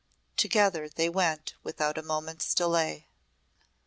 Together they went without a moment's delay.